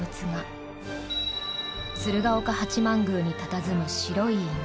鶴岡八幡宮にたたずむ白い犬。